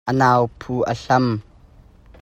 A nau phu a hlam.